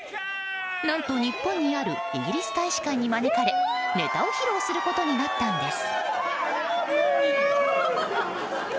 何と、日本にあるイギリス大使館に招かれネタを披露することになったんです。